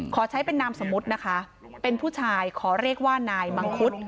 ขอใช้เป็นนามสมมุตินะคะเป็นผู้ชายขอเรียกว่านายมังคุด